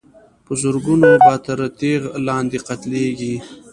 په زرګونو به تر تېغ لاندي قتلیږي